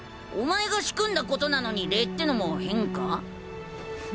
お前が仕組んだことなのに礼ってのも変か？